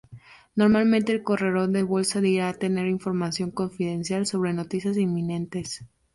Normalmente el corredor de bolsa dirá tener "información confidencial" sobre noticias inminentes.